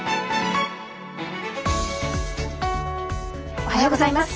おはようございます。